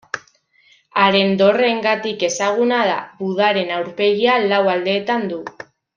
Haren dorreengatik ezaguna da: Budaren aurpegia lau aldeetan du.